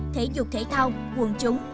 thể dục thể thao quần chúng